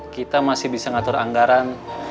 kita masih bisa ngatur anggaran